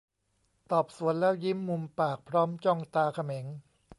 ตอบสวนแล้วยิ้มมุมปากพร้อมจ้องตาเขม็ง